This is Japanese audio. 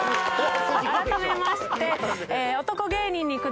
改めまして。